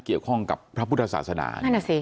เกี่ยวข้องพระพุทธศาสนา